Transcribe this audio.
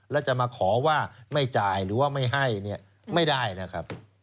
แล้วจะมาขอว่าไม่จ่ายหรือว่าไม่ให้เนี่ยไม่ได้นะครับ